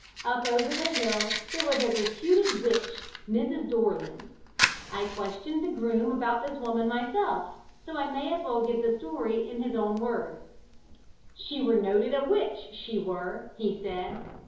Up over the hill there was a reputed witch, Mrs. Dorland. I questioned the groom about this woman myself, so I may as well give the story in his own words. "She were a noted witch, she were," he said.